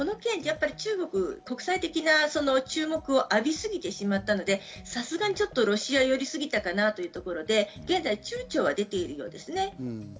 この件、中国、国際的な注目をあびすぎてしまったのでさすがにロシア寄りすぎたかなというところで現在、躊躇は出ているようです